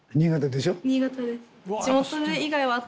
新潟です。